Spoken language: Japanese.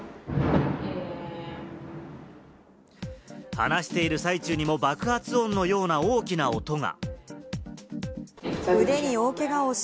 話している最中にも爆発音のような大きな音が。